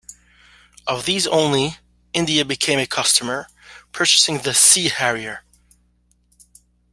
Of these only India became a customer, purchasing the Sea Harrier.